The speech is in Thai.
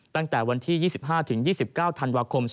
ตั้งแต่วันที่๒๕๒๙ธันวาคม๒๕๖